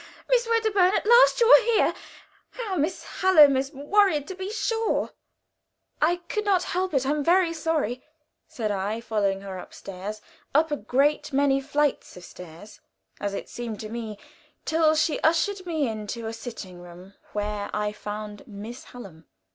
"Ho, Miss Wedderburn, at last you are here! How Miss Hallam has worried, to be sure." "I could not help it, I'm very sorry," said I, following her upstairs up a great many flights of stairs, as it seemed to me, till she ushered me into a sitting room where I found Miss Hallam.